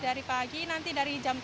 dari pagi nanti dari jam tujuh